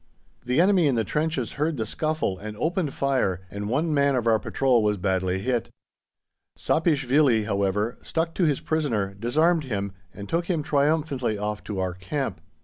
The enemy in the trenches heard the scuffle and opened fire and one man of our patrol was badly hit. Sapieshvili, however, stuck to his prisoner, disarmed him and took him triumphantly off to our camp.